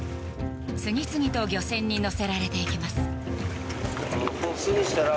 次々と漁船に載せられていきます。